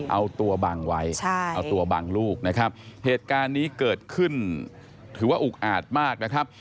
เอาตัวบังไว้เอาตัวบังลูกนะครับเหตุการณ์นี้เกิดขึ้นถือว่าอุกอาจมากนะครับ